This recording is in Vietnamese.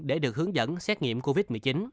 để được hướng dẫn xét nghiệm covid một mươi chín